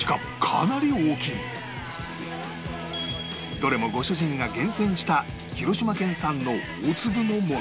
どれもご主人が厳選した広島県産の大粒のもの